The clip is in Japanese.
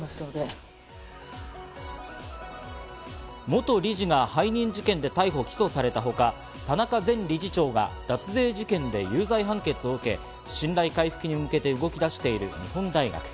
元理事が背任事件で逮捕・起訴されたほか、田中前理事長が脱税事件で有罪判決を受け、信頼回復に向けて動き出している日本大学。